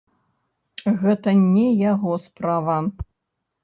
Гэта не яго справа!